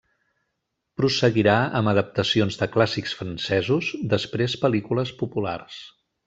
Prosseguirà amb adaptacions de clàssics francesos, després pel·lícules populars.